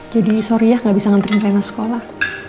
jadi sorry ya nggak bisa nganterin rena sekolah